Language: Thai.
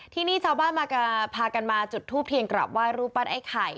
ที่นี่ชาวบ้านพากันมาจุดทูปเทียงกลับว่ารุปัตย์ไอไข่